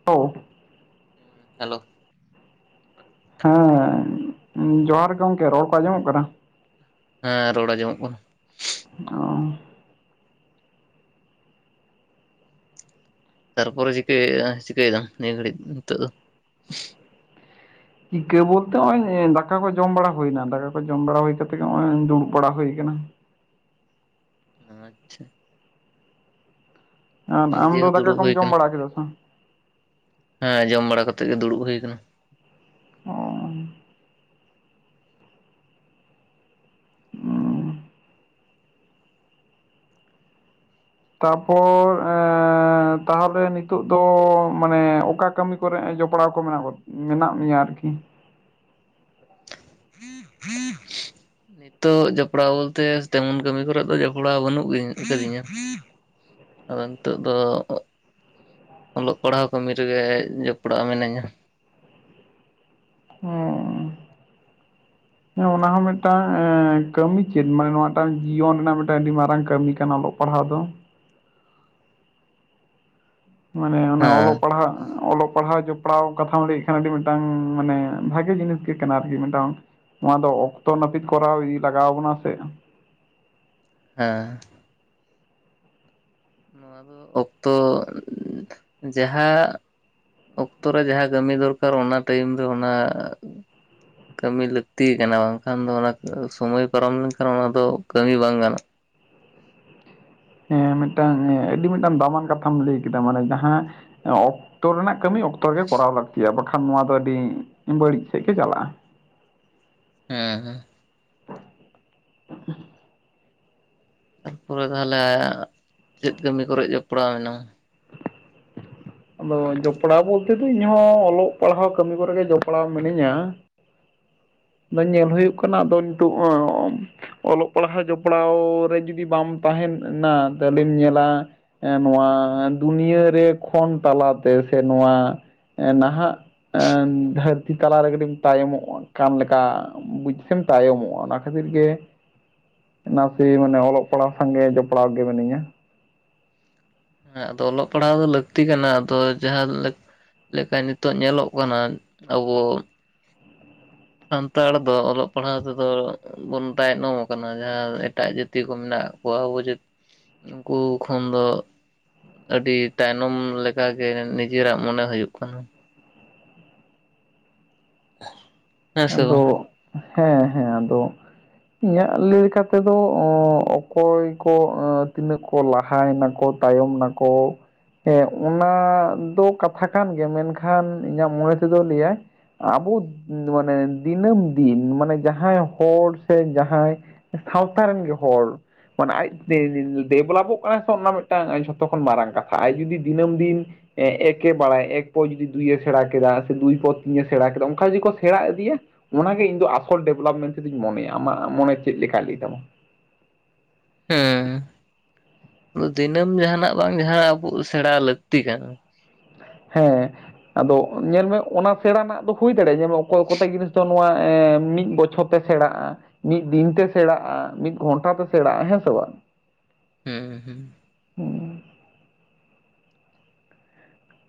[unintelligible] Hello, ᱦᱮᱸ, ᱡᱚᱦᱟᱨ ᱜᱮ ᱜᱚᱝᱠᱮ᱾ ᱨᱚᱲ ᱠᱚ ᱟᱸᱡᱚᱢᱚᱜ ᱠᱟᱱᱟ? ᱦᱮᱸ ᱨᱚᱲ ᱟᱸᱡᱚᱢᱚᱜ ᱠᱟᱱᱟ᱾ [unintelligible] ᱛᱟᱨᱯᱚᱨᱮ ᱪᱤᱠᱟᱹ ᱪᱤᱠᱟᱹᱭᱮᱫᱟᱢ ᱱᱤᱭᱟᱹ ᱜᱷᱟᱹᱲᱤᱡ ᱱᱤᱛᱚᱜ ᱫᱚ? ᱪᱤᱠᱟᱹ ᱵᱚᱞᱛᱮ, ᱱᱚᱜᱼᱚᱭ ᱫᱟᱠᱟ ᱠᱚ ᱡᱚᱢ ᱵᱟᱲᱟ ᱦᱩᱭᱱᱟ ᱫᱟᱠᱟ ᱠᱚ ᱡᱚᱢ ᱵᱟᱲᱟ ᱦᱩᱭ ᱠᱟᱛᱮ ᱜᱮ ᱱᱚᱜᱼᱚᱭ ᱫᱩᱲᱩᱵ ᱵᱟᱲᱟ ᱦᱩᱭ ᱠᱟᱱᱟ᱾ ᱟᱪᱪᱷᱟ᱾ ᱟᱨ ᱟᱢ ᱱᱤᱡᱮ ᱫᱚ ᱦᱚᱸ ᱫᱟᱠᱟ ᱫᱩᱲᱩᱵ ᱠᱚᱢ ᱦᱩᱭ ᱡᱚᱢ ᱟᱠᱟᱱᱟ ᱵᱟᱲᱟ ᱠᱮᱫᱟ ᱥᱮ? ᱦᱮᱸ, ᱡᱚᱢ ᱵᱟᱲᱟ ᱠᱟᱛᱮᱜ ᱜᱮ ᱫᱩᱲᱩᱵ ᱦᱩᱭ ᱠᱟᱱᱟ᱾ ᱚ, ᱚ ᱛᱟᱯᱚᱨ ᱮᱸ, ᱛᱟᱦᱚᱞᱮ ᱱᱤᱛᱚᱜ ᱫᱚ, ᱢᱟᱱᱮ ᱚᱠᱟ ᱠᱟᱹᱢᱤ ᱠᱚᱨᱮ ᱡᱚᱯᱲᱟᱣ ᱠᱚ ᱢᱮᱱᱟᱜ ᱜᱚᱫ, ᱢᱮᱱᱟᱜ ᱢᱮᱭᱟ ᱟᱨᱠᱤ? ᱱᱤᱛᱚᱜ ᱡᱚᱯᱲᱟᱣ ᱵᱚᱞᱛᱮ ᱛᱮᱢᱚᱱ ᱠᱟᱹᱢᱤ ᱠᱚᱨᱮᱫ ᱫᱚ ᱡᱚᱯᱲᱟᱣ ᱵᱟᱹᱱᱩᱜ ᱠᱟᱫᱤᱧᱟ ᱟᱠᱟᱫᱤᱧᱟ᱾ ᱟᱫᱚ ᱱᱤᱛᱚᱜ ᱫᱚ, ᱚᱞᱚᱜ ᱯᱟᱲᱦᱟᱣ ᱠᱟᱹᱢᱤ ᱨᱮᱜᱮ ᱡᱚᱯᱲᱟᱣ ᱢᱤᱱᱟᱹᱧᱟ᱾ ᱚ, ᱦᱮᱸ ᱚᱱᱟ ᱦᱚᱸ ᱢᱤᱫᱴᱟᱝ ᱮᱸ ᱠᱟᱹᱢᱤ ᱪᱮᱫ? ᱢᱟᱱᱮ ᱱᱚᱣᱟᱴᱟᱝ ᱡᱤᱭᱚᱱ ᱨᱮᱱᱟᱜ ᱢᱤᱫᱴᱟᱝ ᱟᱹᱰᱤ ᱢᱟᱨᱟᱝ ᱠᱟᱹᱢᱤ ᱠᱟᱱᱟ ᱚᱞᱚᱜ ᱯᱟᱲᱦᱟᱣ ᱫᱚ, ᱢᱟᱱᱮ ᱚᱱᱟ ᱦᱮᱸ ᱚᱞᱚᱜ ᱯᱟᱲᱦᱟᱜ, ᱚᱞᱚᱜ ᱯᱟᱲᱦᱟᱣ ᱡᱚ ᱡᱚᱯᱲᱟᱣ ᱠᱟᱛᱷᱟᱢ ᱞᱟᱹᱭᱮᱫ ᱠᱷᱟᱱ ᱟᱹᱰᱤ ᱢᱤᱫᱴᱟᱝ ᱢᱟᱱᱮ ᱵᱷᱟᱜᱮ ᱡᱤᱱᱤᱥ ᱜᱮ ᱠᱟᱱᱟ ᱟᱨᱠᱤ᱾ ᱢᱤᱫᱴᱟᱝ ᱱᱚᱣᱟ ᱫᱚ ᱚᱠᱛᱚ ᱱᱟᱹᱯᱤᱛ ᱠᱚᱨᱟᱣ ᱤᱫᱤ ᱞᱟᱜᱟᱣ ᱟᱵᱚᱱᱟ ᱥᱮ? ᱦᱮᱸ᱾ ᱱᱚᱣᱟ ᱫᱚ, ᱚᱠᱛᱚ, ᱡᱟᱦᱟᱸ ᱚᱠᱛᱚ ᱨᱮ ᱡᱟᱦᱟᱸ ᱠᱟᱹᱢᱤ ᱫᱚᱨᱠᱟᱨ, ᱚᱱᱟ ᱴᱟᱭᱤᱢ ᱨᱮ ᱚᱱᱟ [inaudible] ᱠᱟᱹᱢᱤ ᱞᱟᱹᱠᱛᱤ ᱜᱮ ᱠᱟᱱᱟ ᱵᱟᱝᱠᱷᱟᱱ ᱫᱚ ᱚᱱᱟ ᱥᱚᱢᱚᱭ ᱯᱟᱨᱚᱢ ᱞᱮᱱᱠᱷᱟᱱ ᱚᱱᱟ ᱫᱚ ᱠᱟᱹᱢᱤ ᱵᱟᱝ ᱜᱟᱱᱚᱜᱼᱟ᱾ ᱦᱮᱸ, ᱢᱤᱫᱴᱟᱝ ᱟᱹᱰᱤ ᱢᱤᱫᱴᱟᱝ ᱫᱟᱢᱟᱱ ᱠᱟᱛᱷᱟᱢ ᱞᱟᱹᱭ ᱠᱮᱫᱟ᱾ ᱢᱟᱱᱮ ᱡᱟᱦᱟᱸ ᱚᱠᱛᱚ ᱨᱮᱱᱟᱜ ᱠᱟᱹᱢᱤ ᱚᱠᱛᱚ ᱨᱮᱜᱮ ᱠᱚᱨᱟᱣ ᱞᱟᱹᱠᱛᱤᱭᱟ ᱵᱟᱠᱷᱟᱱ ᱱᱚᱣᱟ ᱫᱚ ᱟᱹᱰᱤ ᱵᱟᱹᱲᱤᱡ ᱥᱮᱫ ᱜᱮ ᱪᱟᱞᱟᱜᱼᱟ᱾ ᱦᱮᱸ ᱦᱮᱸ, ᱛᱟᱨᱯᱚᱨᱮ ᱛᱟᱦᱚᱞᱮ ᱪᱮᱫ ᱠᱟᱹᱢᱤ ᱠᱚᱨᱮ ᱡᱚᱯᱲᱟᱣ ᱦᱮᱱᱟᱢᱟ? ᱟᱫᱚ ᱡᱚᱯᱲᱟᱣ ᱵᱚᱞᱛᱮ ᱫᱚ ᱤᱧᱦᱚᱸ ᱚᱞᱚᱜ ᱯᱟᱲᱦᱟᱣ ᱠᱟᱹᱢᱤ ᱠᱚᱨᱮ ᱜᱮ ᱡᱚᱯᱲᱟᱣ ᱢᱤᱱᱟᱹᱧᱟ᱾ ᱟᱫᱚ ᱧᱮᱞ ᱦᱩᱭᱩᱜ ᱠᱟᱱᱟ ᱟᱫᱚ ᱱᱤᱛᱳᱜ ᱚᱞᱚᱜ ᱯᱟᱲᱦᱟᱣ ᱡᱚᱯᱲᱟᱣ ᱨᱮ ᱡᱩᱫᱤ ᱵᱟᱢ ᱛᱟᱦᱮᱱᱟ ᱛᱟᱦᱚᱞᱮᱢ ᱧᱮᱞᱟ? ᱱᱚᱣᱟ ᱫᱩᱱᱭᱟᱹᱨ ᱨᱮ ᱠᱷᱚᱱ ᱛᱟᱞᱟᱛᱮ ᱥᱮ ᱱᱚᱣᱟ, ᱱᱟᱦᱟᱜ ᱫᱷᱟᱹᱨᱛᱤ ᱛᱟᱞᱟᱨᱮ ᱠᱟᱹᱴᱤᱡ ᱮᱢ ᱛᱟᱭᱚᱢᱚᱜ ᱠᱟᱱ ᱞᱮᱠᱟ, ᱠᱟ ᱵᱩᱡ ᱥᱮᱢ ᱛᱟᱭᱚᱢᱚᱜᱼᱟ ᱚᱱᱟ ᱠᱷᱟᱹᱛᱤᱨ ᱜᱮ᱾ ᱱᱟᱥᱮ ᱢᱟᱱᱮ ᱚᱞᱚᱜ ᱯᱟᱲᱦᱟᱣ ᱥᱟᱸᱝᱜᱮ ᱡᱚᱯᱲᱟᱣ ᱜᱮ ᱢᱤᱱᱟᱹᱧᱟ᱾ ᱦᱮᱸ ᱟᱫᱚ ᱚᱞᱚᱜ ᱯᱟᱲᱦᱟᱜ ᱫᱚ ᱞᱟᱹᱠᱛᱤ ᱠᱟᱱᱟ ᱟᱫᱚ ᱡᱟᱦᱟᱸ ᱞᱟᱹᱠ ᱞᱮᱠᱟ ᱱᱤᱛᱚᱜ ᱧᱮᱞᱚᱜ ᱠᱟᱱᱟ ᱟᱵᱚ, ᱥᱟᱱᱛᱟᱲ ᱫᱚ ᱚᱞᱚᱜ ᱯᱟᱲᱦᱟᱣ ᱛᱮᱫᱚ, ᱵᱚᱱ ᱛᱟᱭᱱᱚᱢ ᱟᱠᱟᱱᱟ ᱡᱟᱦᱟᱸ ᱮᱴᱟᱜ ᱡᱟᱹᱛᱤ ᱠᱚ ᱢᱮᱱᱟᱜ ᱠᱚᱣᱟ ᱟᱵᱚ ᱡᱟᱹᱛᱤ ᱩᱱᱠᱩ ᱠᱷᱚᱱ ᱫᱚ ᱟᱹᱰᱤ ᱛᱟᱭᱱᱚᱢ ᱞᱮᱠᱟᱜᱮ ᱱᱤᱡᱮᱨᱟᱜ ᱢᱚᱱᱮ ᱦᱩᱭᱩᱜ ᱠᱟᱱᱟ᱾ [unintelligible] ᱟᱫᱚ ᱵᱟᱝ ᱦᱮᱸ ᱦᱮᱸ ᱟᱫᱚ ᱤᱧᱟᱹᱜ ᱞᱟᱹᱭ ᱞᱮᱠᱟ ᱛᱮᱫᱚ ᱚᱠᱚᱭ ᱠᱚ ᱛᱤᱱᱟᱹᱜ ᱠᱚ ᱞᱟᱦᱟᱭ ᱱᱟᱠᱚ ᱛᱟᱭᱚᱢ ᱱᱟᱠᱚ ᱦᱮᱸ ᱚᱱᱟ ᱫᱚ ᱠᱟᱛᱷᱟ ᱠᱟᱱ ᱜᱮᱭᱟ ᱢᱮᱱᱠᱷᱟᱱ ᱤᱧᱟᱹᱜ ᱢᱚᱱᱮ ᱛᱮᱫᱚ ᱞᱟᱹᱭᱟᱭ ᱟᱵᱚ ᱢᱟᱱᱮ ᱫᱤᱱᱟᱹᱢ ᱫᱤᱱ ᱢᱟᱱᱮ ᱡᱟᱦᱟᱸᱭ ᱦᱚᱲ ᱥᱮ ᱡᱟᱦᱟᱸᱭ ᱥᱟᱣᱛᱟ ᱨᱮᱱ ᱜᱮ ᱦᱚᱲ ᱢᱟᱱᱮ ᱟᱡ ᱛᱮ ᱰᱮᱵᱷᱞᱚᱯᱚᱜ ᱠᱟᱱᱟ ᱥᱮ ᱚᱱᱟ ᱢᱤᱫᱴᱟᱝ ᱡᱷᱚᱛᱚ ᱠᱷᱚᱱ ᱢᱟᱨᱟᱝ ᱠᱟᱛᱷᱟ ᱟᱡ ᱡᱩᱫᱤ ᱫᱤᱱᱟᱹᱢ ᱫᱤᱱ ᱮᱠ ᱮ ᱵᱟᱲᱟᱭᱟ ᱮᱠ ᱯᱚᱨ ᱡᱩᱫᱤ ᱫᱩᱭᱮ ᱮ ᱥᱮᱬᱟ ᱠᱮᱫᱟ ᱥᱮ ᱫᱩᱭ ᱯᱚᱨ ᱛᱤᱱᱮ ᱥᱮᱬᱟ ᱠᱮᱫᱟ ᱚᱱᱠᱟ ᱡᱩᱫᱤ ᱥᱮᱬᱟ ᱤᱫᱤᱭᱟ ᱚᱱᱟᱜᱮ ᱤᱧ ᱫᱚ ᱟᱥᱚᱞ ᱰᱮᱵᱷᱞᱚᱯᱢᱮᱱ ᱛᱮᱫᱚᱧ ᱢᱚᱱᱮᱭᱟ ᱟᱢᱟᱜ ᱢᱚᱱᱮ ᱪᱮᱫ ᱞᱮᱠᱟ ᱞᱤᱫᱟᱹᱭ ᱛᱟᱢᱟ? ᱦᱮᱸ ᱫᱤᱱᱟᱹᱢ ᱡᱟᱦᱟᱸᱱᱟᱜ ᱵᱟᱝ ᱡᱟᱦᱟᱸᱱᱟᱜ ᱟᱵᱚ ᱥᱮᱬᱟ ᱞᱟᱹᱠᱛᱤ ᱠᱟᱱᱟ᱾ ᱦᱮᱸ ᱟᱫᱚ ᱧᱮᱞ ᱢᱮ ᱚᱱᱟ ᱥᱮᱬᱟ ᱨᱮᱱᱟᱜ ᱫᱚ ᱦᱩᱭ ᱫᱟᱲᱮᱭᱟᱜᱼᱟ ᱡᱮᱢᱚᱱ ᱚᱠᱚᱭ ᱠᱚᱛᱮ ᱡᱤᱱᱤᱥ ᱫᱚ ᱱᱚᱣᱟ ᱢᱤᱫ ᱵᱚᱪᱷᱚᱨ ᱛᱮ ᱥᱮᱬᱟᱜ-ᱟ ᱾ ᱢᱤᱫ ᱫᱤᱱ ᱛᱮ ᱥᱮᱬᱟᱜᱼᱟ ᱢᱤᱫ ᱜᱷᱚᱱᱴᱟ ᱛᱮ ᱥᱮᱬᱟᱜᱼᱟ ᱦᱮᱸ ᱥᱮ ᱵᱟᱝ? ᱦᱮᱸ ᱦᱮᱸ᱾ ᱦᱩᱸ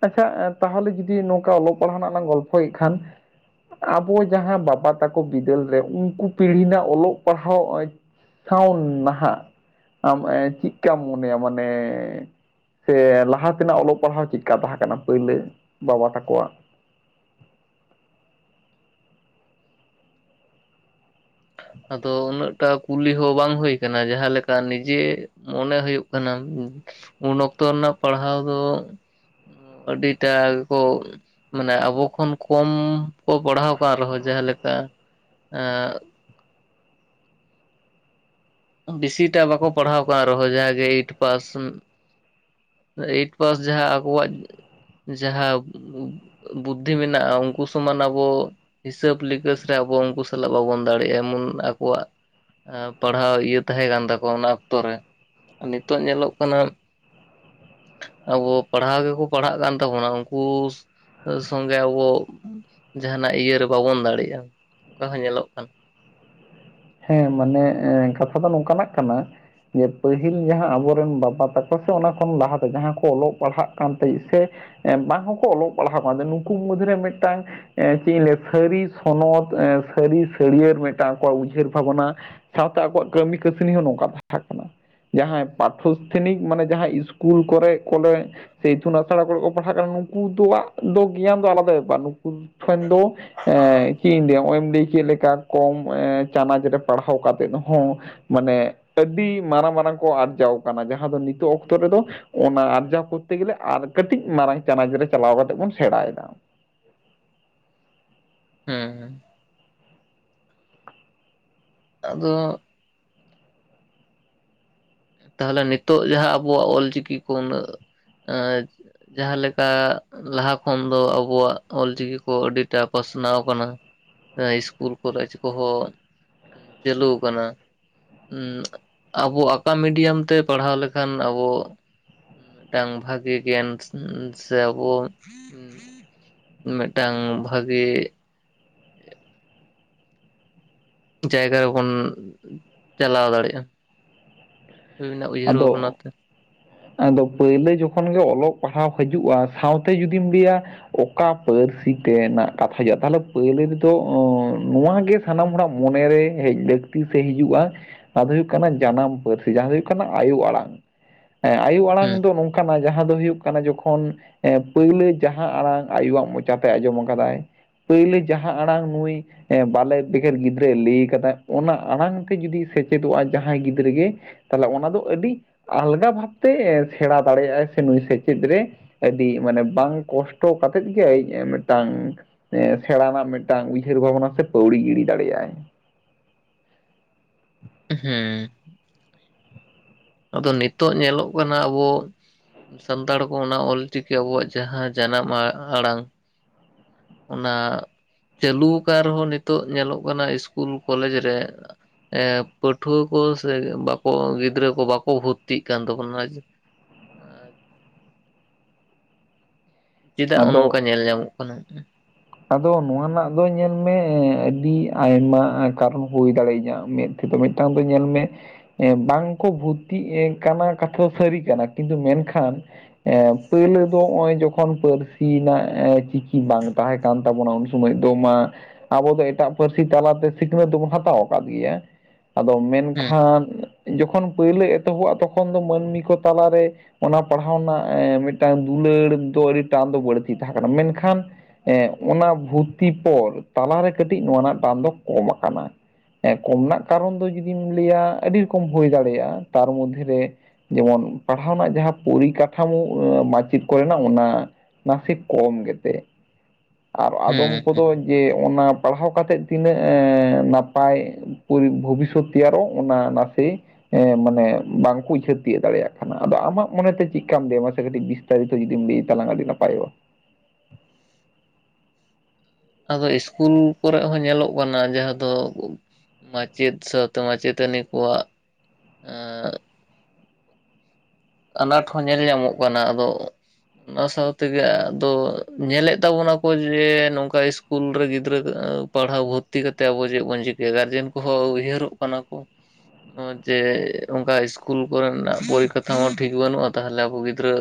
ᱟᱪᱪᱷᱟ ᱛᱟᱦᱚᱞᱮ ᱡᱩᱫᱤ ᱱᱚᱝᱠᱟ ᱚᱞᱚᱜ ᱯᱟᱲᱦᱟᱣ ᱨᱮᱱᱟᱜ ᱞᱟᱝ ᱜᱚᱞᱯᱷᱚᱭᱮᱫ ᱠᱷᱟᱱ ᱟᱵᱚ ᱡᱟᱦᱟᱸ ᱵᱟᱵᱟ ᱛᱟᱠᱚ ᱵᱤᱫᱟᱹᱞ ᱨᱮ ᱩᱱᱠᱩ ᱯᱤᱲᱦᱤ ᱨᱮᱱᱟᱜ ᱚᱞᱚᱜ ᱯᱟᱲᱦᱟᱣ ᱥᱟᱣ ᱱᱟᱦᱟᱜ ᱟᱢ ᱪᱤᱜᱠᱟᱢ ᱢᱚᱱᱮᱭᱟ ᱢᱟᱱᱮ ᱥᱮ ᱞᱟᱦᱟ ᱛᱮᱱᱟᱜ ᱚᱞᱚᱜ ᱯᱟᱲᱦᱟᱣ ᱪᱮᱫᱠᱟ ᱛᱟᱦᱮᱸ ᱠᱟᱱᱟ ᱯᱟ. ᱭᱞᱟᱹ ᱵᱟᱵᱟ ᱛᱟᱠᱚᱣᱟᱜ? ᱟᱫᱚ ᱩᱱᱟᱹᱜ ᱴᱟ ᱠᱩᱞᱤ ᱦᱚᱸ ᱵᱟᱝ ᱦᱳᱭ ᱟᱠᱟᱱᱟ ᱡᱟᱦᱟᱸ ᱞᱮᱠᱟ ᱱᱤᱡᱮ ᱢᱚᱱᱮ ᱦᱩᱭᱩᱜ ᱠᱟᱱᱟ ᱩᱱ ᱚᱠᱛᱚ ᱨᱮᱱᱟᱜ ᱯᱟᱲᱦᱟᱣ ᱫᱚ ᱟᱹᱰᱤᱴᱟ ᱜᱮᱠᱚ ᱢᱟᱱᱮ ᱟᱵᱚ ᱠᱷᱚᱱ ᱠᱚᱢ ᱠᱚ ᱯᱟᱲᱦᱟᱣ ᱟᱠᱟᱱ ᱨᱮᱦᱚᱸ ᱡᱟᱦᱟᱸ ᱞᱮᱠᱟ ᱮᱸ ᱵᱮᱥᱤᱴᱟᱜ ᱵᱟᱠᱚ ᱯᱟᱲᱦᱟᱣ ᱠᱟᱱ ᱨᱮᱦᱚᱸ ᱡᱟᱜᱮ ᱮᱭᱤᱴ ᱯᱟᱥ ᱮᱭᱤᱴ ᱯᱟᱥ ᱡᱟᱦᱟᱸ ᱟᱠᱚᱣᱟᱜ ᱡᱟᱦᱟᱸ ᱵᱩᱫᱽᱫᱷᱤ ᱢᱮᱱᱟᱜ-ᱟ ᱩᱱᱠᱩ ᱥᱚᱢᱟᱱ ᱟᱵᱚ ᱦᱤᱥᱟᱹᱵ ᱞᱤᱠᱟᱹᱥ ᱨᱮ ᱟᱵᱚ ᱩᱱᱠᱩ ᱥᱟᱞᱟᱜ ᱵᱟᱵᱚᱱ ᱫᱟᱲᱮᱭᱟᱜᱟ ᱮᱢᱚᱱ ᱟᱠᱚᱣᱟᱜ ᱯᱟᱲᱦᱟᱣ ᱤᱭᱟᱹ ᱛᱟᱦᱮᱸ ᱠᱟᱱ ᱛᱟᱠᱚᱣᱟ ᱚᱱᱟ ᱚᱠᱛᱚ ᱨᱮ ᱱᱤᱛᱚᱜ ᱧᱮᱞᱚᱜ ᱠᱟᱱᱟ ᱟᱵᱚ ᱯᱟᱲᱦᱟᱣ ᱜᱮᱠᱚ ᱯᱟᱲᱦᱟᱜ ᱠᱟᱱ ᱛᱟᱵᱚᱱᱟ ᱩᱱᱠᱩ ᱥᱚᱸᱜᱮ ᱟᱵᱚ ᱡᱟᱦᱟᱱᱟᱜ ᱤᱭᱟ. ᱨᱮ ᱵᱟᱵᱚᱱ ᱫᱟᱲᱮᱭᱟᱜ-ᱟ ᱚᱱᱠᱟ ᱦᱚᱸ ᱧᱮᱞᱚᱜ ᱠᱟᱱᱟ᱾ ᱦᱮᱸ ᱢᱟᱱᱮ ᱠᱟᱛᱷᱟ ᱫᱚ ᱱᱚᱝᱠᱟ ᱱᱟᱜ ᱠᱟᱱᱟ ᱡᱮ ᱯᱟᱹᱦᱤᱞ ᱡᱟᱦᱟᱸ ᱟᱵᱚᱨᱮᱱ ᱵᱟᱵᱟ ᱛᱟᱠᱚ ᱥᱮ ᱚᱱᱟ ᱠᱷᱚᱱ ᱞᱟᱦᱟᱛᱮ ᱡᱟᱦᱟᱸ ᱠᱚ ᱚᱞᱚᱜ ᱯᱟᱲᱦᱟᱜ ᱠᱟᱱ ᱛᱟᱦᱮᱸ ᱥᱮ ᱵᱟᱝ ᱦᱚᱸᱠᱚ ᱚᱞᱚᱜ ᱯᱟᱲᱦᱟᱣᱟ ᱠᱟᱱ ᱛᱟᱦᱮᱱ ᱱᱩᱠᱩ ᱢᱩᱫᱽ ᱨᱮ ᱢᱤᱫᱴᱟᱝ ᱪᱮᱫ ᱤᱧ ᱞᱟᱹᱭᱟ ᱥᱟᱹᱨᱤ ᱥᱚᱱᱚᱛ ᱥᱟᱹᱨᱤ ᱥᱟᱹᱲᱭᱟᱹᱲ ᱢᱤᱫᱴᱟᱝ ᱠᱚᱣᱟᱜ ᱩᱭᱦᱟᱹᱨ ᱛᱟᱵᱚᱱᱟ ᱥᱟᱶᱛᱮ ᱟᱠᱚᱣᱟᱜ ᱠᱟᱹᱢᱤ ᱠᱟᱹᱥᱱᱤ ᱦᱚᱸ ᱱᱚᱝᱠᱟ ᱛᱟᱦᱮᱸ ᱠᱟᱱᱟ᱾ ᱡᱟᱦᱟᱸᱭ ᱯᱟᱴᱷᱚᱥᱛᱷᱟᱱᱤᱠ ᱢᱟᱱᱮ ᱡᱟᱦᱟᱸ ᱤᱥᱠᱩᱞ ᱠᱚᱨᱮᱜ ᱠᱚᱨᱮᱜ ᱥᱮ ᱤᱛᱩᱱ ᱟᱥᱲᱟ ᱠᱚᱨᱮ ᱠᱚ ᱯᱟᱲᱦᱟᱜ ᱠᱟᱱᱟ ᱱᱩᱠᱩ ᱫᱚᱣᱟᱜ ᱫᱚ ᱜᱮᱭᱟᱱ ᱫᱚ ᱟᱞᱟᱫᱟ ᱵᱮᱯᱟᱨ ᱫᱚ ᱮᱸ ᱪᱮᱫ ᱤᱧ ᱞᱟᱹᱭᱟ ᱱᱚᱜᱚᱭ ᱮᱢ ᱞᱟᱹ ᱠᱮᱫ ᱞᱮᱠᱟ ᱠᱚᱢ ᱮᱸ ᱪᱟᱱᱟᱪ ᱨᱮ ᱯᱟᱲᱦᱟᱣ ᱠᱟᱛᱮᱫ ᱦᱚᱸ ᱢᱟᱱᱮ ᱟᱹᱰᱤ ᱢᱟᱨᱟᱝ ᱢᱟᱨᱟᱝ ᱠᱚ ᱟᱨᱡᱟᱣ ᱠᱟᱱᱟ ᱡᱟᱦᱟᱸ ᱫᱚ ᱱᱤᱛᱚᱜ ᱚᱠᱛᱚ ᱨᱮᱫᱚ ᱚᱱᱟ ᱟᱨᱡᱟᱣ ᱠᱚᱨᱛᱮ ᱜᱮᱞᱮ ᱟᱨ ᱠᱟᱹᱴᱤᱡ ᱢᱟᱨᱟᱝ ᱪᱟᱱᱟᱪ ᱨᱮ ᱪᱟᱞᱟᱣ ᱠᱟᱛᱮ ᱵᱚᱱ ᱥᱮᱲᱟᱭᱮᱫᱟ᱾ [inaudible] ᱟᱫᱚ ᱛᱟᱦᱞᱮ ᱱᱤᱛᱚᱜ ᱡᱟᱦᱟᱸ ᱟᱵᱚᱣᱟᱜ ᱚᱞᱪᱤᱠᱤ ᱠᱚ ᱩᱱᱟᱹᱜ ᱮᱸ ᱡᱟᱦᱟᱸ ᱞᱮᱠᱟ ᱞᱟᱦᱟ ᱠᱷᱚᱱ ᱫᱚ ᱟᱵᱚᱣᱟᱜ ᱚᱞᱪᱤᱠᱤ ᱠᱚ ᱟᱹᱰᱤᱴᱟ ᱯᱟᱥᱱᱟᱣ ᱟᱠᱟᱱᱟ᱾ ᱮᱸ ᱤᱥᱠᱩᱞ ᱠᱚᱞᱮᱡᱽ ᱠᱚᱦᱚᱸ ᱪᱟᱹᱞᱩ ᱟᱠᱟᱱᱟ ᱩᱸ ᱟᱵᱚᱣᱟᱜ ᱚᱠᱟ ᱢᱤᱰᱤᱭᱟᱢ ᱛᱮ ᱯᱟᱲᱦᱟᱣ ᱞᱮᱠᱷᱟᱱ ᱟᱵᱚ ᱢᱤᱫᱴᱟᱝ ᱵᱷᱟᱜᱮ ᱜᱮᱭᱟᱱ ᱥᱮ ᱟᱵᱚ ᱩᱸ ᱢᱤᱫᱴᱟᱝ ᱵᱷᱟᱜᱮ ᱡᱟᱭᱜᱟ ᱨᱮᱵᱚᱱ ᱪᱟᱞᱟᱣ ᱫᱟᱲᱮᱜᱼᱟ᱾ ᱟᱵᱮᱱᱟᱜ ᱩᱭᱦᱟᱹᱨ ᱟᱫᱚ ᱵᱷᱟᱵᱽᱱᱟ ᱛᱮ᱾ ᱟᱫᱚ ᱯᱟᱹᱭᱞᱟᱹ ᱡᱚᱠᱷᱚᱱ ᱜᱮ ᱚᱞᱚᱜ ᱯᱟᱲᱦᱟᱣ ᱦᱤᱡᱩᱜᱼᱟ ᱥᱟᱶᱛᱮ ᱡᱩᱫᱤᱢ ᱞᱮᱭᱟ ᱚᱠᱟ ᱯᱟᱹᱨᱥᱤ ᱛᱮᱱᱟᱜ ᱠᱟᱛᱷᱟ ᱦᱤᱡᱩᱜᱼᱟ ᱛᱟᱦᱚᱞᱮ ᱯᱟᱹᱭᱞᱟᱹ ᱨᱮᱫᱚ ᱚᱸ ᱱᱚᱣᱟ ᱜᱮ ᱥᱟᱱᱟᱢ ᱦᱚᱲᱟᱜ ᱢᱚᱱᱮ ᱨᱮ ᱦᱮᱡ ᱞᱟᱹᱠᱛᱤ ᱥᱮ ᱦᱤᱡᱩᱜᱼᱟ ᱚᱱᱟ ᱫᱚ ᱦᱩᱭᱩᱜ ᱠᱟᱱᱟ ᱡᱟᱱᱟᱢ ᱯᱟᱹᱨᱥᱤ ᱡᱟᱦᱟᱸ ᱦᱩᱭᱩᱜ ᱠᱟᱱᱟ ᱟᱭᱳ ᱟᱲᱟᱝ ᱟᱭᱳ ᱟᱲᱟᱝ ᱦᱩᱸ ᱫᱚ ᱱᱚᱝᱠᱟᱱᱟ ᱡᱟᱦᱟᱸ ᱫᱚ ᱦᱩᱭᱩᱜ ᱠᱟᱱᱟ ᱡᱚᱠᱷᱚᱱ ᱮᱸ ᱯᱟᱹᱭᱞᱟᱹ ᱡᱟᱦᱟᱸ ᱟᱲᱟᱝ ᱟᱭᱳᱣᱟᱜ ᱢᱚᱪᱟᱛᱮᱭ ᱟᱸᱡᱚᱢ ᱟᱠᱟᱫᱟᱭ ᱯᱟᱹᱭᱞᱟᱹ ᱡᱟᱦᱟᱸ ᱟᱲᱟᱝ ᱱᱩᱭ ᱮᱸ ᱵᱟᱞᱮ ᱵᱮᱠᱮᱨ ᱜᱤᱫᱽᱨᱟᱹᱭ ᱞᱮᱭ ᱠᱟᱫᱟᱭ ᱚᱱᱟ ᱟᱲᱟᱝ ᱛᱮ ᱡᱩᱫᱤ ᱥᱮᱪᱮᱫᱚᱜᱼᱟ ᱡᱟᱦᱟᱸᱭ ᱜᱤᱫᱽᱨᱟᱹ ᱜᱮ ᱛᱟᱦᱚᱞᱮ ᱚᱱᱟ ᱫᱚ ᱟᱹᱰᱤ ᱟᱞᱜᱟ ᱵᱷᱟᱵᱽᱛᱮ ᱥᱮᱲᱟ ᱫᱟᱲᱮᱭᱟᱜᱼᱟᱭ ᱥᱮ ᱱᱩᱭ ᱥᱮᱪᱮᱫ ᱨᱮ ᱟᱹᱰᱤ ᱢᱟᱱᱮ ᱵᱟᱝ ᱠᱚᱥᱴᱚ ᱠᱟᱛᱮᱫ ᱜᱮ ᱢᱤᱫᱴᱟᱝ ᱮᱸ ᱥᱮᱲᱟ ᱨᱮᱱᱟᱜ ᱢᱤᱫᱴᱟᱝ ᱩᱭᱦᱟᱹᱨ ᱵᱷᱟᱵᱽᱱᱟ ᱥᱮ ᱯᱟᱹᱣᱲᱤ ᱜᱤᱲᱤ ᱫᱟᱲᱮᱭᱟᱜᱼᱟᱭ᱾ ᱦᱩᱸ᱾ ᱟᱫᱚ ᱱᱤᱛᱚᱜ ᱧᱮᱞᱚᱜ ᱠᱟᱱᱟ ᱟᱵᱚ ᱥᱟᱱᱛᱟᱲ ᱠᱚ ᱚᱱᱟ ᱚᱞᱪᱤᱠᱤ ᱟᱵᱚᱣᱟᱜ ᱡᱟᱦᱟᱸ ᱡᱟᱱᱟᱢ ᱟ ᱟᱲᱟᱝ᱾ ᱚᱱᱟ ᱪᱟᱹᱞᱩ ᱟᱠᱟᱱ ᱨᱮᱦᱚᱸ ᱱᱤᱛᱚᱜ ᱧᱮᱞᱚᱜ ᱠᱟᱱᱟ ᱤᱥᱠᱩᱞ ᱠᱚᱞᱮᱡᱽ ᱨᱮ ᱮᱸ ᱯᱟᱹᱴᱷᱣᱟᱹ ᱠᱚ ᱥᱮ ᱵᱟᱠᱚ ᱜᱤᱫᱽᱨᱟᱹ ᱠᱚ ᱵᱟᱠᱚ ᱠᱚ ᱵᱷᱚᱛᱛᱤᱜ ᱠᱟᱱ ᱫᱚ [inaudible] ᱪᱮᱫᱟᱜ ᱟᱫᱚ ᱚᱱᱚᱝᱠᱟ ᱧᱮᱞ ᱧᱟᱢᱚᱜ ᱠᱟᱱᱟ? ᱟᱫᱚ ᱱᱚᱣᱟ ᱨᱮᱱᱟᱜ ᱫᱚ ᱧᱮᱞ ᱢᱮ ᱟᱹᱰᱤ ᱟᱭᱢᱟ ᱠᱟᱨᱚᱱ ᱦᱩᱭ ᱫᱟᱲᱮᱭᱟᱹᱧᱟᱹ ᱢᱮᱫ ᱛᱮᱫᱚ ᱢᱤᱫᱴᱟᱝ ᱫᱚ ᱧᱮᱞ ᱢᱮ ᱵᱟᱝ ᱠᱚ ᱵᱷᱚᱛᱛᱤᱜ ᱮᱸ ᱠᱟᱱᱟ ᱠᱟᱛᱷᱟ ᱫᱚ ᱥᱟᱹᱨᱤ ᱠᱟᱱᱟ ᱠᱤᱱᱛᱩ ᱢᱮᱱᱠᱷᱟᱱ ᱯᱳᱭᱞᱳ ᱫᱚ ᱦᱚᱸᱜᱼᱚᱭ ᱡᱚᱠᱷᱚᱱ ᱯᱟᱹᱨᱥᱤ ᱨᱮᱱᱟᱜ ᱮᱸ ᱪᱤᱠᱤ ᱵᱟᱝ ᱛᱟᱦᱮᱸ ᱠᱟᱱ ᱛᱟᱵᱚᱱᱟ ᱩᱱ ᱥᱚᱢᱚᱭ ᱫᱚ ᱢᱟ ᱟᱵᱚ ᱫᱚ ᱮᱴᱟᱜ ᱯᱟᱹᱨᱥᱤ ᱛᱟᱞᱟᱛᱮ ᱥᱤᱠᱷᱱᱟᱹᱛ ᱫᱚᱵᱚᱱ ᱦᱟᱛᱟᱣ ᱟᱠᱟᱫ ᱜᱮᱭᱟ ᱟᱫᱚ ᱢᱮᱱ ᱦᱮᱸ ᱠᱷᱟᱱ ᱡᱚᱠᱷᱚᱱ ᱯᱟᱹᱭᱞᱟᱹ ᱮᱛᱚᱦᱚᱵᱚᱜᱼᱟ ᱛᱚᱠᱷᱚᱱ ᱫᱚ ᱢᱟᱹᱱᱢᱤ ᱠᱚ ᱛᱟᱞᱟ ᱨᱮ ᱚᱱᱟ ᱯᱟᱲᱦᱟᱣ ᱨᱮᱱᱟᱜ ᱮᱸ ᱢᱤᱫᱴᱟᱝ ᱫᱩᱞᱟᱹᱲ ᱫᱚ ᱟᱹᱰᱤ ᱴᱟᱱ ᱫᱚ ᱵᱟᱹᱲᱛᱤ ᱛᱟᱦᱮᱸ ᱠᱟᱱᱟ ᱢᱮᱱᱠᱷᱟᱱ ᱮᱸ ᱚᱱᱟ ᱵᱷᱩᱛᱛᱤ ᱯᱚᱨ ᱛᱟᱞᱟᱨᱮ ᱠᱟᱹᱴᱤᱡ ᱱᱚᱣᱟ ᱨᱮᱱᱟᱜ ᱴᱟᱱ ᱫᱚ ᱠᱚᱢ ᱟᱠᱟᱱᱟ᱾ ᱦᱮᱸ ᱠᱚᱢ ᱱᱟᱜ ᱠᱟᱨᱚᱱ ᱫᱚ ᱡᱩᱫᱤᱢ ᱞᱟᱹᱭᱟ ᱟᱹᱰᱤ ᱨᱚᱠᱚᱢ ᱦᱩᱭ ᱫᱟᱲᱮᱭᱟᱜᱼᱟ, ᱛᱟᱨ ᱢᱚᱫᱽᱫᱷᱮ ᱨᱮ ᱡᱮᱢᱚᱱ ᱯᱟᱲᱦᱟᱣ ᱨᱮᱱᱟᱜ ᱡᱟᱦᱟᱸ ᱯᱚᱨᱤᱠᱟᱴᱷᱟᱢᱳ ᱮᱸ ᱢᱟᱪᱮᱫ ᱠᱚᱨᱮᱱᱟᱜ ᱚᱱᱟ ᱱᱟᱥᱮ ᱠᱚᱢ ᱜᱮᱛᱮ, ᱟᱨ ᱦᱮᱸ ᱟᱫᱚᱢ ᱦᱮᱸ ᱠᱚᱫᱚ ᱡᱮ ᱚᱱᱟ ᱯᱟᱲᱦᱟᱣ ᱠᱟᱛᱮᱫ ᱛᱤᱱᱟᱹᱜ ᱮᱸ ᱱᱟᱯᱟᱭ ᱯᱚᱨᱤ ᱵᱷᱚᱵᱤᱥᱥᱚᱛ ᱛᱮᱭᱟᱨᱚᱜ ᱚᱱᱟ ᱱᱟᱥᱮ ᱮᱸ ᱢᱟᱱᱮ ᱵᱟᱝᱠᱚ ᱩᱭᱦᱟᱹᱨ ᱛᱤᱭᱳᱜ ᱫᱟᱲᱮᱭᱟᱜ ᱠᱟᱱᱟ᱾ ᱟᱫᱚ ᱟᱢᱟᱜ ᱢᱚᱱᱮ ᱛᱮ ᱪᱮᱫᱠᱟᱢ ᱞᱟᱹᱭᱟ ᱢᱟᱥᱮ ᱠᱟᱹᱴᱤᱡ ᱵᱤ ᱛᱟᱨᱤᱛᱚ ᱡᱩᱫᱤᱢ ᱞᱟᱹᱭ ᱛᱞᱟᱝᱟ ᱟᱹᱰᱤ ᱱᱟᱯᱟᱭᱚᱜ-ᱟ᱾ ᱟᱫᱚ ᱤᱥᱠᱩᱞ ᱠᱚᱨᱮᱜ ᱦᱚᱸ ᱧᱮᱞᱚᱜ ᱠᱟᱱᱟ ᱡᱟᱦᱟᱸ ᱫᱚ ᱢᱟᱪᱮᱫ ᱥᱟᱶᱛᱮ ᱢᱟᱪᱮᱛᱟᱹᱱᱤ ᱠᱚᱣᱟᱜ ᱮᱸ ᱟᱱᱟᱴ ᱦᱚᱸ ᱧᱮᱞ ᱧᱟᱢᱚᱜ ᱠᱟᱱᱟ᱾ ᱟᱫᱚ ᱚᱱᱟ ᱥᱟᱶᱛᱮ ᱜᱮ ᱟᱫᱚ ᱧᱮᱞᱮᱫ ᱛᱟᱵᱚᱱᱟ ᱟᱠᱚ ᱡᱮ, ᱱᱚᱝᱠᱟ ᱤᱥ- ᱥᱠᱩᱞ ᱨᱮ ᱜᱤᱫᱽᱨᱟᱹ ᱯᱟᱲᱦᱟᱣ ᱵᱷᱚᱨᱛᱤ ᱠᱟᱛᱮᱫ ᱟᱵᱚ ᱪᱮᱫ ᱵᱚᱱ ᱪᱤᱠᱟᱹᱭᱟ ᱜᱟᱨᱡᱮᱱ ᱠᱚᱦᱚᱸ ᱩᱭᱦᱟᱹᱨ ᱚᱜ ᱠᱟᱱᱟ ᱠᱚ᱾ ᱱᱚᱜ-ᱚ ᱡᱮ ᱚᱱᱠᱟ ᱤᱥᱠᱩᱞ ᱠᱚᱨᱮᱱᱟᱜ ᱯᱚᱨᱤᱠᱷᱟ ᱠᱟᱛᱷᱟ ᱦᱚᱸ ᱴᱷᱤᱠ ᱵᱟᱹᱱᱩᱜ-ᱟ᱾ ᱛᱟᱦᱚᱞᱮ ᱟᱵᱚ ᱜᱤᱫᱽᱨᱟᱹ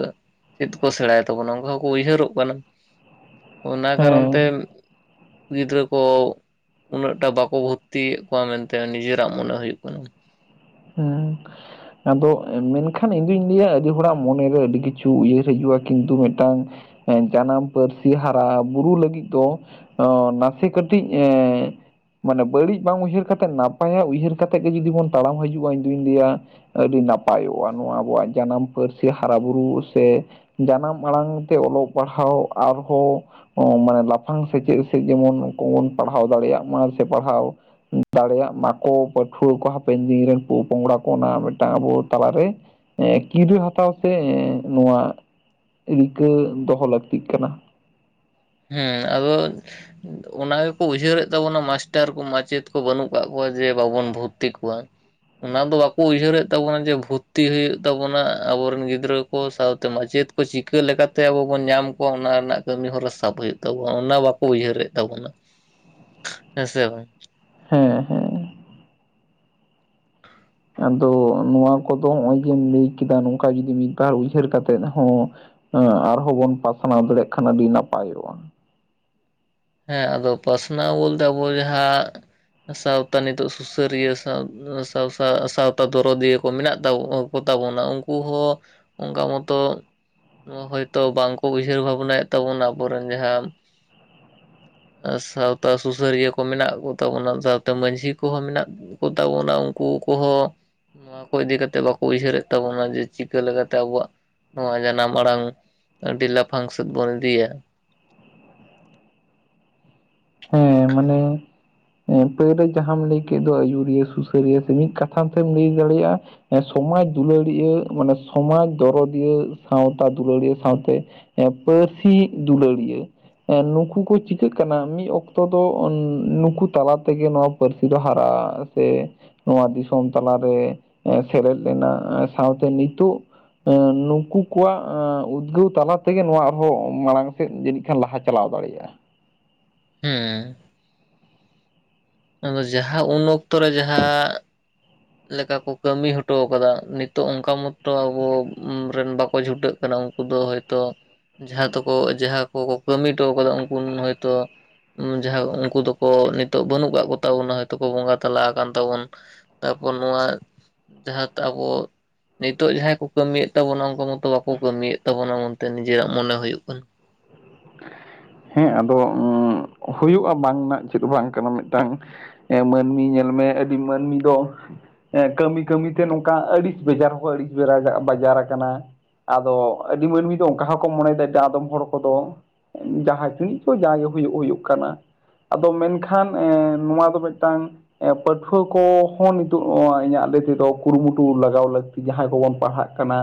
ᱪᱮᱫ ᱠᱚ ᱥᱮᱸᱲᱟᱭ ᱛᱟᱵᱚᱱᱟ ᱚᱱᱠᱟ ᱦᱚᱸ ᱠᱚ ᱩᱭᱦᱟᱹᱨᱚᱜ ᱠᱟᱱᱟ᱾ [inaudible] ᱚᱱᱟ ᱠᱟᱨᱚᱱ ᱛᱮ ᱦᱮᱸ ᱜᱤᱫᱽᱨᱟᱹ ᱠᱚ ᱩᱱᱟᱹᱜᱴᱟ ᱵᱟᱠᱚ ᱵᱷᱳᱛ-ᱛᱤᱭᱮᱫ ᱠᱚᱣᱟ ᱢᱮᱱᱛᱮ ᱱᱤᱡᱮᱨᱟᱜ ᱢᱚᱱᱮ ᱦᱳᱭᱳᱜ ᱠᱟᱱᱟ᱾ ᱩᱸ ᱟᱫᱚ ᱢᱮᱱᱠᱷᱟᱱ ᱤᱧ ᱫᱩᱧ ᱞᱟᱹᱭᱟ, ᱟᱹᱰᱤ ᱦᱚᱲᱟᱜ ᱢᱚᱱᱮᱨᱮ ᱟᱹᱰᱤ ᱠᱤᱪᱷᱩ ᱩᱭᱦᱟᱹᱨ ᱦᱤᱡᱩᱜ-ᱟ, ᱠᱤᱱᱛᱩ ᱢᱮᱫᱴᱟᱝ ᱡᱟᱱᱟᱢ ᱯᱟᱹᱨᱥᱤ ᱦᱟᱨᱟ ᱵᱩᱨᱩ ᱞᱟᱹᱜᱤᱫ ᱫᱚ ᱚ ᱱᱟᱥᱮ ᱠᱟᱹᱴᱤᱡ ᱮᱸᱻ ᱢᱟᱱᱮ ᱵᱟᱹᱲᱤᱡ ᱵᱟᱝ ᱩᱭᱦᱟᱹᱨ ᱠᱟᱛᱮᱫ ᱱᱟᱯᱟᱭᱟᱜ ᱩᱭᱦᱟᱹᱨ ᱠᱟᱛᱮᱫ ᱜᱮ ᱡᱩᱫᱤ ᱵᱚᱱ ᱛᱟᱲᱟᱢ ᱦᱤᱡᱩᱜ-ᱟ, ᱤᱧ ᱫᱩᱧ ᱞᱟᱹᱭᱟ ᱟᱹᱰᱤ ᱱᱟᱯᱟᱭᱚᱜ-ᱟ᱾ ᱱᱚᱣᱟ ᱟᱵᱚᱣᱟᱜ ᱡᱟᱱᱟᱢ ᱯᱟᱹᱨᱥᱤ ᱦᱟᱨᱟ-ᱵᱩᱨᱩ ᱥᱮ ᱡᱟᱱᱟᱢ ᱟᱲᱟᱝ ᱛᱮ ᱚᱞᱚᱜ ᱯᱟᱲᱦᱟᱣ ᱟᱨᱦᱚᱸ ᱢᱟᱱᱮ ᱞᱟᱯᱷᱟᱝ ᱥᱮᱪᱮᱫ ᱥᱮᱫ ᱡᱮᱢᱚᱱ ᱩᱱᱠᱩ ᱵᱚᱱ ᱯᱟᱲᱦᱟᱣ ᱫᱟᱲᱮᱭᱟᱜ ᱢᱟ ᱥᱮ, ᱯᱟᱲᱦᱟᱣ ᱫᱟᱲᱮᱭᱟᱜ ᱢᱟᱠᱚ ᱯᱟᱹᱴᱷᱩᱣᱟᱹ ᱠᱚ ᱦᱟᱯᱮᱱ ᱫᱤᱱ ᱨᱮᱱ ᱯᱚᱝᱲᱟ ᱠᱚ ᱚᱱᱟ ᱢᱮᱫᱴᱟᱝ ᱟᱵᱚ ᱛᱟᱞᱟ ᱨᱮ ᱮ ᱠᱤᱨᱟᱹ ᱦᱟᱛᱟᱣ ᱥᱮ, ᱮ ᱱᱚᱣᱟ ᱨᱤᱠᱟᱹ ᱫᱚᱦᱚ ᱞᱟᱹᱠᱛᱤᱜ ᱠᱟᱱᱟ᱾ ᱦᱮᱸ, ᱟᱫᱚ ᱚᱱᱟ ᱜᱮᱠᱚ ᱩᱭᱦᱟᱹᱨ ᱮᱫ ᱛᱟᱵᱚᱱᱟ ᱢᱟᱥᱴᱟᱨ ᱠᱚ ᱢᱟᱪᱮᱫ ᱠᱚ ᱵᱟᱹᱱᱩᱜ ᱠᱟᱜ ᱠᱚᱣᱟ ᱡᱮ, ᱵᱟᱵᱚᱱ ᱵᱷᱩᱨᱛᱤ ᱠᱚᱣᱟ᱾ ᱚᱱᱟ ᱫᱚ ᱵᱟᱠᱚ ᱩᱭᱦᱟᱹᱨ ᱮᱫ ᱛᱟᱵᱚᱱᱟ ᱡᱮ ᱵᱷᱩᱛᱛᱤ ᱦᱩᱭᱩᱜ ᱛᱟᱵᱚᱱᱟ ᱟᱵᱚ ᱨᱮᱱ ᱜᱤᱫᱽᱨᱟᱹ ᱠᱚ ᱥᱟᱶᱛᱮ ᱢᱟᱪᱮᱫ ᱪᱤᱠᱟᱹ ᱞᱮᱠᱟ ᱛᱮ ᱟᱵᱚ ᱵᱚᱱ ᱧᱟᱢ ᱠᱚᱣᱟ, ᱚᱱᱟ ᱨᱮᱱᱟᱜ ᱠᱟᱹᱢᱤ ᱦᱚᱨᱟ ᱥᱟᱵ ᱦᱳᱭᱳᱜ ᱛᱟᱵᱚᱱᱟ ᱚᱱᱟ ᱵᱟᱠᱚ ᱩᱭᱦᱟᱹᱨ ᱮᱫ ᱛᱟᱵᱚᱱᱟ᱾ ᱦᱮᱸᱥᱮ ᱵᱟᱝ? ᱦᱮᱸ ᱦᱮᱸ ᱟᱫᱚ ᱱᱚᱣᱟ ᱠᱚᱫᱚ ᱱᱚᱜ-ᱚᱭ ᱡᱮᱢ ᱞᱟᱹᱭ ᱠᱮᱫᱟ ᱱᱚᱝᱠᱟ ᱡᱩᱫᱤ ᱢᱤᱫ, ᱵᱟᱨ ᱩᱭᱦᱟᱹᱨ ᱠᱟᱛᱮᱜ ᱦᱚᱸ ᱦᱮᱸ ᱟᱨᱦᱚᱸ ᱵᱚᱱ ᱯᱟᱥᱱᱟᱣ ᱫᱟᱲᱮᱭᱟᱜ ᱠᱷᱟᱱ ᱟᱹᱰᱤ ᱱᱟᱯᱟᱭᱚᱜ-ᱟ᱾ ᱦᱮᱸ, ᱟᱫᱚ ᱯᱟᱥᱱᱟᱣ ᱵᱚᱞᱛᱮ ᱟᱵᱚ ᱡᱟᱦᱟᱸ ᱥᱟᱶᱛᱟ ᱱᱤᱛᱚᱜ ᱥᱩ-ᱥᱟᱹᱨᱤᱭᱟᱹ ᱥᱟᱶ ᱥᱟᱶ ᱥᱟᱶᱛᱟ ᱫᱚᱨᱚᱫᱤᱭᱟᱹ ᱠᱚ ᱢᱮᱱᱟᱜ ᱛᱟᱵᱚ ᱠᱚᱛᱟ ᱵᱚᱱᱟ, ᱩᱱᱠᱩ ᱦᱚᱸ ᱚᱱᱠᱟ ᱢᱚᱛᱚ ᱱᱚᱣᱟ ᱦᱚᱭ ᱛᱚ ᱵᱟᱝ ᱠᱚ ᱩᱭᱦᱟᱹᱨ ᱵᱷᱟᱵᱽᱱᱟᱭ ᱮᱫ ᱛᱟᱵᱚᱱᱟ ᱟᱵᱚ ᱨᱮᱱ, ᱡᱟᱦᱟᱸ ᱟᱨ ᱥᱟᱶᱛᱟ ᱥᱩᱥᱟᱹᱨᱤᱭᱟᱹ ᱠᱚ ᱢᱮᱱᱟᱜ ᱠᱚᱛᱟ ᱵᱚᱱᱟ ᱥᱟᱶᱛᱮ ᱢᱟᱺᱡᱷᱤ ᱠᱚᱦᱚᱸ ᱢᱮᱱᱟᱜ ᱠᱚᱛᱟ ᱵᱚᱱᱟ ᱩᱱᱠᱩ ᱠᱚᱦᱚᱸ ᱱᱚᱣᱟ ᱠᱚ ᱤᱫᱤ ᱠᱟᱛᱮᱜ ᱵᱟᱠᱚ ᱩᱭᱦᱟᱹᱨ ᱮᱫ ᱛᱟᱵᱚᱱᱟ ᱡᱮ, ᱪᱤᱠᱟᱹ ᱞᱮᱠᱟ ᱛᱮ ᱟᱵᱚᱣᱟᱜ ᱱᱚᱣᱟ ᱡᱟᱱᱟᱢ ᱟᱲᱟᱝ ᱟᱹᱰᱤ ᱞᱟᱯᱷᱟᱝ ᱥᱮᱫ ᱵᱚᱱ ᱤᱫᱤᱭᱟ᱾ ᱦᱮᱸ ᱢᱟᱱᱮ ᱯᱟᱹᱨᱟᱹ ᱡᱟᱦᱟᱸᱢ ᱞᱟᱹᱭ ᱠᱮᱫ ᱫᱚ ᱟᱹᱭᱩᱨᱤᱭᱟᱹ, ᱥᱩᱥᱟᱹᱨᱤᱭᱟᱹ ᱥᱮ ᱢᱤᱫ ᱠᱟᱛᱷᱟ ᱛᱮᱢ ᱞᱟᱹᱭ ᱫᱟᱲᱮᱭᱟᱜ-ᱟ ᱥᱚᱢᱟᱡᱽ ᱫᱩᱞᱟᱹᱲᱤᱭᱟᱹ ᱢᱟᱱᱮ ᱥᱚᱢᱟᱡᱽ ᱫᱚᱨᱚᱫᱤᱭᱟᱹ ᱥᱟᱶᱛᱟ ᱫᱩᱞᱟᱹᱲᱤᱭᱟᱹ ᱥᱟᱶ ᱛᱮ ᱯᱟᱹᱨᱥᱤ ᱫᱩᱞᱟᱹᱲᱤᱭᱟᱹ, ᱱᱩᱠᱩ ᱠᱚ ᱪᱤᱠᱟᱹᱜ ᱠᱟᱱᱟ ᱢᱤᱫ ᱚᱠ- ᱛᱚ ᱫᱚ ᱱᱩᱠᱩ ᱛᱟᱞᱟ ᱛᱮᱜᱮ ᱱᱚᱣᱟ ᱯᱟᱹᱨᱥᱤ ᱫᱚ ᱦᱟᱨᱟ ᱥᱮ, ᱱᱚᱣᱟ ᱫᱤᱥᱚᱢ ᱛᱟᱞᱟ ᱨᱮ ᱥᱮᱞᱮᱫ ᱞᱮᱱᱟ᱾ ᱥᱟᱶᱛᱮ ᱱᱤᱛᱳᱜ ᱱᱩᱠᱩ ᱠᱚᱣᱟᱜ ᱩᱫᱽᱜᱟᱹᱣ ᱛᱟᱞᱟ ᱛᱮ ᱜᱮ ᱱᱚᱣᱟ ᱟᱨᱦᱚᱸ ᱢᱟᱲᱟᱝ ᱥᱮᱫ ᱡᱟᱹᱱᱤᱡ ᱠᱷᱟᱱ ᱞᱟᱦᱟᱸ ᱪᱟᱞᱟᱣ ᱫᱟᱲᱮᱭᱟᱜ-ᱟ᱾ ᱦᱮᱸ᱾ ᱟᱫᱚ ᱡᱟᱦᱟᱸ ᱩᱱ ᱚᱠᱛᱚ ᱨᱮ ᱡᱟᱦᱟᱸ ᱞᱮᱠᱟ ᱠᱚ ᱠᱟᱹᱢᱤ ᱦᱚᱴᱚ ᱠᱟᱫᱟ ᱱᱤᱛᱟᱹᱜ ᱚᱝᱠᱟ ᱢᱚᱛᱚ ᱟᱵᱚ ᱨᱮᱱ ᱵᱟᱠᱚ ᱪᱷᱩᱴᱟᱹᱜ ᱠᱟᱱᱟ ᱩᱝᱠᱩ ᱫᱚ ᱦᱚᱭ ᱛᱚ ᱡᱟᱦᱟᱸ ᱛᱮᱠᱚ ᱡᱟᱦᱟᱸ ᱠᱚᱠᱚ ᱠᱟᱹᱢᱤ ᱦᱚᱴᱚ ᱠᱟᱫᱟ ᱩᱱᱠᱩ ᱦᱚᱭᱛᱚ ᱡᱟᱦᱟᱸ ᱩᱱᱠᱩ ᱫᱚᱠᱚ ᱱᱤᱛᱟᱹᱜ ᱵᱟᱹᱱᱩᱜ ᱠᱟᱜ ᱠᱚᱛᱟᱵᱚᱱᱟ ᱦᱚᱭᱛᱚ ᱠᱚ ᱵᱚᱸᱜᱟ ᱛᱟᱞᱟ ᱠᱟᱱ ᱛᱟᱵᱚᱱ ᱛᱟᱯᱚᱨ ᱱᱚᱣᱟ ᱡᱟᱦᱟᱸ ᱛᱮ ᱟᱵᱚ ᱱᱤᱛᱟᱹᱜ ᱡᱟᱦᱟᱸᱭ ᱠᱚ ᱠᱟᱹᱢᱤᱭᱮᱜ ᱛᱟᱵᱚᱱᱟ ᱚᱱᱠᱟ ᱢᱚᱛᱚ ᱵᱟᱠᱚ ᱠᱟᱹᱢᱤᱭᱮᱜ ᱛᱟᱵᱚᱱᱟ ᱚᱱᱛᱮ ᱱᱤᱡᱮᱨᱟᱜ ᱢᱚᱱᱮ ᱦᱩᱭᱩᱜ ᱠᱟᱱᱟ ᱾ ᱦᱮᱸ ᱟᱫᱚ ᱦᱩᱭᱩᱜᱼᱟ ᱵᱟᱝ ᱨᱮᱱᱟᱜ ᱪᱮᱫ ᱵᱟᱝ ᱠᱟᱱᱟ ᱢᱤᱫᱴᱟᱝ ᱮ ᱢᱟᱹᱱᱢᱤ ᱧᱮᱞ ᱢᱮ ᱟᱹᱰᱤ ᱢᱟᱹᱱᱢᱤ ᱫᱚ ᱮ ᱠᱟᱹᱢᱤ ᱠᱟᱹᱢᱤᱛᱮ ᱱᱚᱝᱠᱟ ᱟᱹᱲᱤᱥ ᱵᱮᱡᱟᱨ ᱦᱚᱸ ᱟᱹᱲᱤᱥ ᱵᱮᱨᱟᱡᱟᱜ ᱵᱟᱡᱟᱨ ᱠᱟᱱᱟ᱾ ᱟᱫᱚ ᱟᱹᱰᱤ ᱢᱟᱹᱱᱢᱤ ᱫᱚ ᱚᱝᱠᱟ ᱦᱚᱸᱠᱚ ᱢᱚᱱᱮᱭᱫᱟ ᱟᱫᱚᱢ ᱦᱚᱲ ᱠᱚᱫᱚ ᱡᱟᱦᱟᱸ ᱛᱤᱱᱟᱹᱜ ᱪᱚ ᱡᱟᱦᱟᱸ ᱜᱮ ᱦᱩᱭᱩᱜ ᱦᱩᱭᱩᱜ ᱠᱟᱱᱟ, ᱟᱫᱚ ᱢᱮᱱᱠᱷᱟᱱ ᱮᱸ ᱱᱚᱣᱟ ᱫᱚ ᱢᱤᱫᱴᱟᱝ ᱯᱟᱹᱴᱷᱩᱣᱟᱹ ᱠᱚᱦᱚᱸ ᱱᱤᱛᱚᱜ ᱱᱚᱣᱟ ᱤᱧᱟᱹᱜ ᱞᱟᱹᱭ ᱛᱮᱫᱚ ᱠᱩᱨᱩᱢᱩᱴᱩ ᱞᱟᱜᱟᱣ ᱞᱟᱹᱠ ᱡᱟᱦᱟᱸᱭ ᱠᱚᱵᱚᱱ ᱯᱟᱲᱦᱟᱜ ᱠᱟᱱᱟ